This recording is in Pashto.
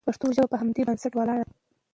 پښتو ژبه په همدې بنسټ ولاړه ده.